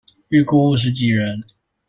預估五十幾人